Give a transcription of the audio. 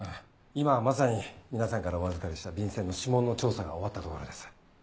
今まさに皆さんからお預かりした便箋の指紋の調査が終わったところです。